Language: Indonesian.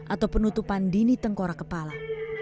atau penutupan dini tengkorak kepala